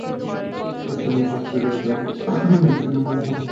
স্থানীয় সন্ত্রাসী ইকবাল কবির, সেলিম রেজাসহ আট-নয়জন তাঁর ব্যবসায় অংশীদারিত্ব দাবি করেন।